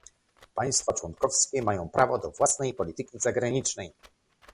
Państwa członkowskie mają prawo do własnej polityki zagranicznej